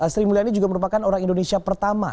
sri mulyani juga merupakan orang indonesia pertama